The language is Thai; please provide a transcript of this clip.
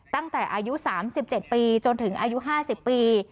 ตั้งแต่อายุ๓๗ปีจนถึงอายุ๕๐ปี